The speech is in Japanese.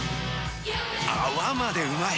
泡までうまい！